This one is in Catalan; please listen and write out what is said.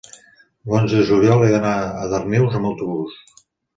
l'onze de juliol he d'anar a Darnius amb autobús.